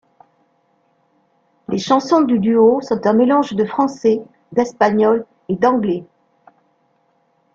Les chansons du duo sont un mélange de français, d'espagnol et d'anglais.